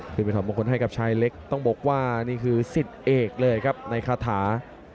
ไปถอดมงคลให้กับชายเล็กต้องบอกว่านี่คือสิทธิ์เอกเลยครับในคาถา